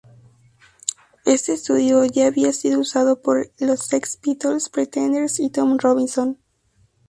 Este estudio ya había sido usado por los Sex Pistols, Pretenders y Tom Robinson.